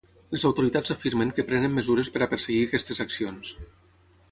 Les autoritats afirmen que prenen mesures per a perseguir aquestes accions.